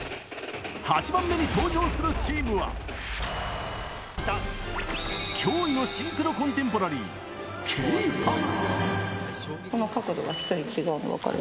８番目に登場するチームは、驚異のシンクロコンテンポラリー、この角度が１人違うの分かる？